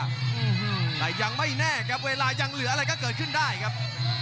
อืมแต่ยังไม่แน่ครับเวลายังเหลืออะไรก็เกิดขึ้นได้ครับ